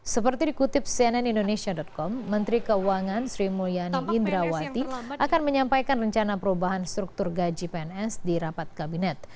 seperti dikutip cnn indonesia com menteri keuangan sri mulyani indrawati akan menyampaikan rencana perubahan struktur gaji pns di rapat kabinet